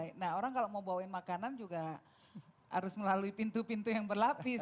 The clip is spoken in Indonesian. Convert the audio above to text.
nah orang kalau mau bawain makanan juga harus melalui pintu pintu yang berlapis